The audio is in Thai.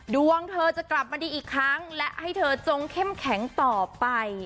ดวงเธอจะกลับมาดีอีกครั้งและให้เธอจงเข้มแข็งต่อไป